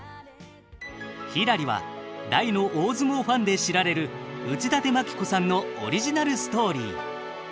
「ひらり」は大の大相撲ファンで知られる内館牧子さんのオリジナルストーリー。